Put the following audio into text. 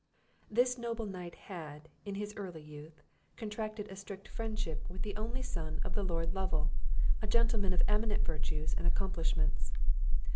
This noble knight had, in his early youth, contracted a strict friendship with the only son of the Lord Lovel, a gentleman of eminent virtues and accomplishments.